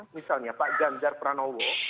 misalnya pak ganjar pranowo